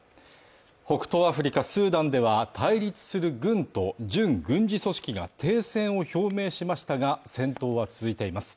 北東アフリカ・スーダンでは対立する軍と準軍事組織が停戦を表明しましたが、戦闘は続いています。